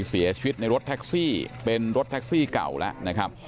เสียชีวิตในรถแท็กซี่เป็นรถแท็กซี่เก่าแล้วนะครับ